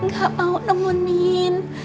gak mau nemenin